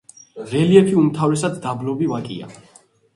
რელიეფი უმთავრესად დაბლობი ვაკეა.